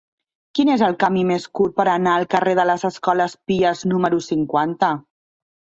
Quin és el camí més curt per anar al carrer de les Escoles Pies número cinquanta?